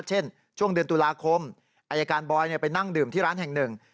เช่นช่วงเดือนตุลาคมอายการบอยไปนั่งดื่มที่ร้านแห่งหนึ่ง